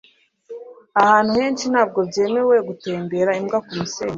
Ahantu henshi ntabwo byemewe gutembera imbwa kumusenyi